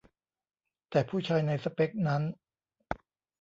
แต่ผู้ชายในสเปกนั้น